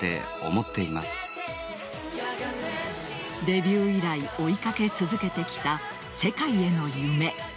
デビュー以来追いかけ続けてきた世界への夢。